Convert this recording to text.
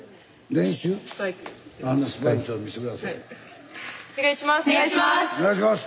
練習？お願いします！